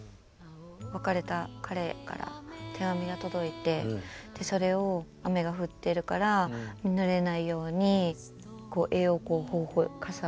別れた彼から手紙が届いてそれを雨が降ってるからぬれないように傘をこうやって押さえて。